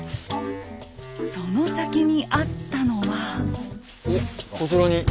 その先にあったのは。